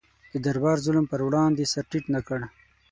د دربار ظلم پر وړاندې سر ټیټ نه کړ.